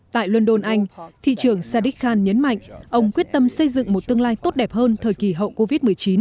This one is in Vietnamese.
tại london anh thị trường sadiq khan nhấn mạnh ông quyết tâm xây dựng một tương lai tốt đẹp hơn thời kỳ hậu covid một mươi chín